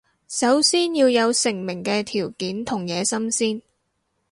首先要有成名嘅條件同野心先